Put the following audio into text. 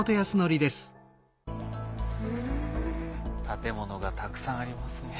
建物がたくさんありますね。